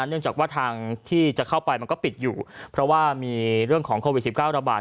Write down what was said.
เนื่องจากว่าทางที่จะเข้าไปมันก็ปิดอยู่เพราะว่ามีเรื่องของโควิด๑๙ระบาด